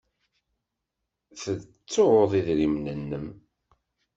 Tettud idrimen-nnem.